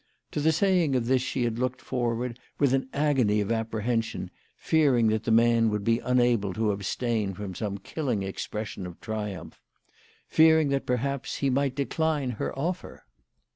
To the saying of this she had looked forward with an agony of apprehension, fearing that the man would be unable to abstain from some killing expres sion of triumph, fearing that, perhaps, he might decline her offer.